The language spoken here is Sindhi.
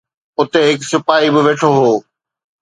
اتي هڪ سپاهي به ويٺو هو